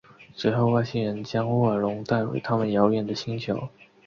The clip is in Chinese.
随后外星人将沃尔隆带回他们遥远的星球。